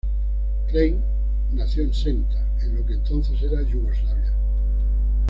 Klein nació en Senta, en lo que entonces era Yugoslavia.